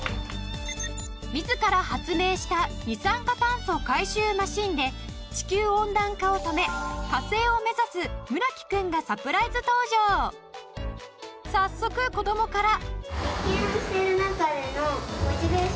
自ら発明した二酸化炭素回収マシンで地球温暖化を止め火星を目指す村木君が早速子供から。